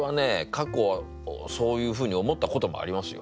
過去そういうふうに思ったこともありますよ。